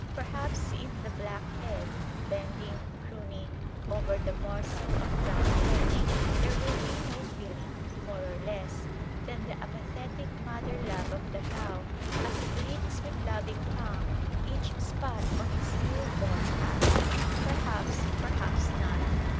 Perhaps in the black head, bending, crooning, over the morsel of brown flesh, there will be no feeling, more or less, than the apathetic mother love of the cow as it licks with loving tongue each spot on its new born calf. Perhaps, perhaps not.